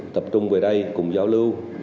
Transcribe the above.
tập trung về đây cùng giao lưu